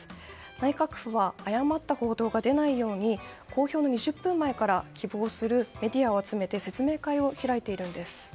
内閣府は誤った報道が出ないように公表の２０分前から希望するメディアを集めて説明会を開いているんです。